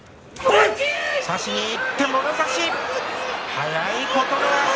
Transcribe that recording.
速い、琴ノ若。